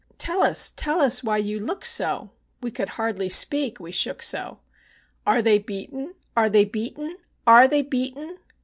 "Tell us, tell us why you look so?" (we could hardly speak, we shook so), "Are they beaten? Are they beaten? ARE they beaten?"